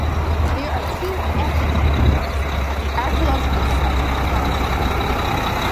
There are two effigy mounds at the archaeological site on the property.